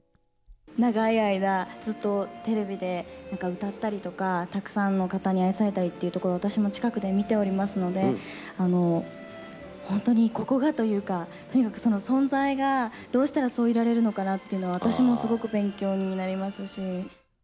長い間、ずっとテレビで歌ったりとか、たくさんの方に愛されたりっていうところを、私も近くで見ておりますので、本当にここがというか、とにかくその存在が、どうしたらそういられるのかなって私もすごく勉強になりますし。